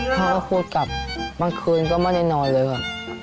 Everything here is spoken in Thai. เขาก็พูดกลับบางคืนก็ไม่ได้นอนเลยแบบ